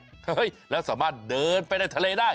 เฮ้ยแล้วสามารถเดินไปในทะเลได้